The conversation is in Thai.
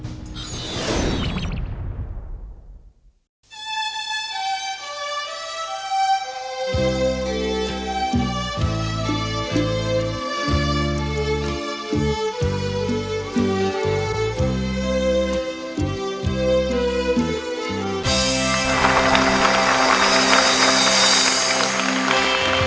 เพลงที่๑มูลค่า